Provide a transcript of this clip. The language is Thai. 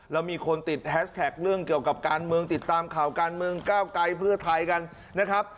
แล้วมีคนติดแฮสแท็กเรื่องเกี่ยวกับการเมืองติดตามข่าวการเมืองก้าวไกลเพื่อไทยกันนะครับ